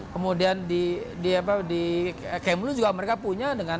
kemudian di kemlu juga mereka punya